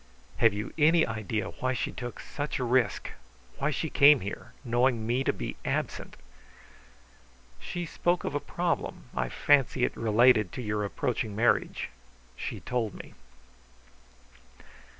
"Have you any idea why she took such a risk? Why she came here, knowing me to be absent?" "She spoke of a problem. I fancy it related to your approaching marriage. She told me."